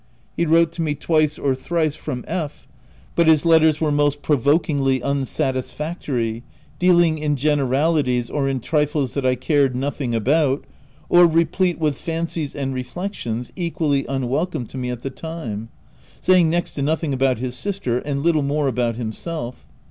He wrote to me twice or thrice from F ; but his letters were most pro vokingly unsatisfactory, dealing in generalities or in trifles that T cared nothing about, or re plete with fancies and reflections equally un welcome to me at the time, — saying next to nothing about his sister, and little more about himself.